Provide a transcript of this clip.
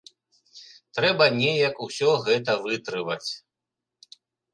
Трэба неяк усё гэта вытрываць.